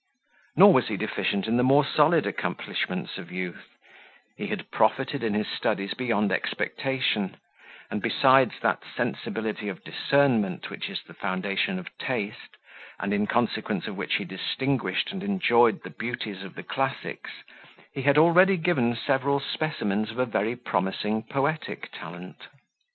Nor was he deficient in the more solid accomplishments of youth: he had profited in his studies beyond expectation; and besides that sensibility of discernment which is the foundation of taste, and in consequence of which he distinguished and enjoyed the beauties of the classics, he had already given several specimens of a very promising poetic talent.